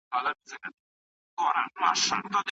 خو افغانانو تل د خپلې خاوري دفاع کړې ده.